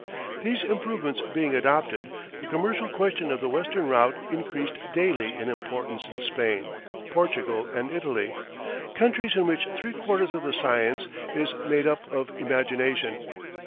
These improvements being adopted, the commercial question of the western route increased daily in importance in Spain, Portugal, and Italy, countries in which three quarters of the science is made up of imagination.